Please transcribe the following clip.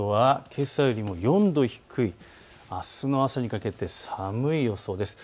けさよりも４度低い、あすの朝にかけて寒い予想です。